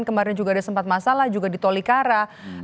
kemarin juga ada sempat masalah juga di tolikara